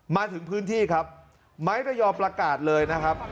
มาถึงพื้นที่ครับไม้ระยองประกาศเลยนะครับ